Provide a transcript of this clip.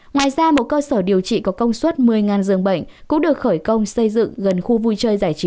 ngoài ra một cơ sở điều trị có công suất một mươi giường bệnh cũng được khởi công xây dựng gần khu vui chơi giải trí